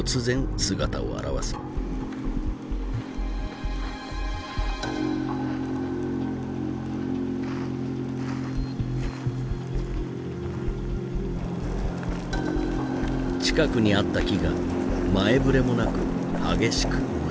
近くにあった木が前触れもなく激しく燃え始めた。